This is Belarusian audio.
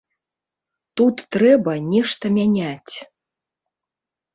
Тут трэба нешта мяняць.